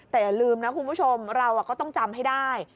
แต่อย่าลืมนะคุณผู้ชมเราก็ต้องจำให้ได้